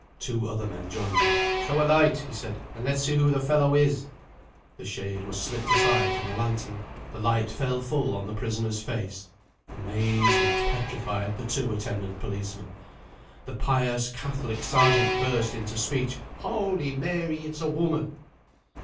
Two other men joined him. "Show a light," he said; "and let's see who the fellow is." The shade was slipped aside from a lantern: the light fell full on the prisoner's face. Amazement petrified the two attendant policemen. The pious Catholic Sergeant burst into speech: "Holy Mary! it's a woman!"